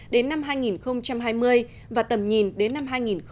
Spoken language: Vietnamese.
đến năm hai nghìn hai mươi và tầm nhìn đến năm hai nghìn ba mươi